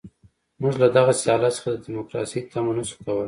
موږ له دغسې حالت څخه د ډیموکراسۍ تمه نه شو کولای.